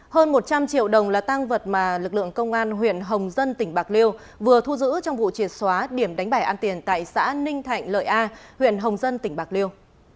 hơn một trăm linh triệu đồng là tăng vật mà lực lượng công an huyện hồng dân tỉnh bạc liêu vừa thu giữ trong vụ triệt xóa điểm đánh bài ăn tiền tại xã ninh thạnh lợi a huyện hồng dân tỉnh bạc liêu